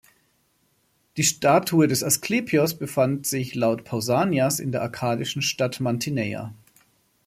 Die "Statue des Asklepios" befand sich laut Pausanias in der arkadischen Stadt Mantineia.